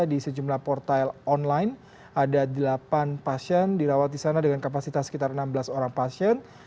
di sejumlah portal online ada delapan pasien dirawat di sana dengan kapasitas sekitar enam belas orang pasien